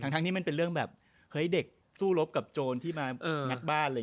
ทั้งที่มันเป็นเรื่องแบบเฮ้ยเด็กสู้รบกับโจรที่มางัดบ้านเลย